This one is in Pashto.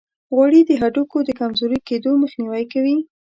غوړې د هډوکو د کمزوري کیدو مخنیوي کوي.